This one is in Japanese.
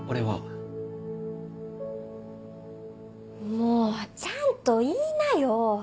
もうちゃんと言いなよ！